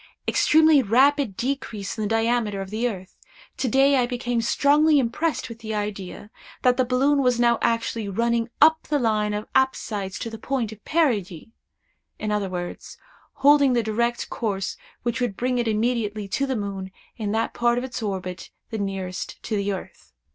Extremely rapid decrease in the diameter of the earth. To day I became strongly impressed with the idea, that the balloon was now actually running up the line of apsides to the point of perigee—in other words, holding the direct course which would bring it immediately to the moon in that part of its orbit the nearest to the earth.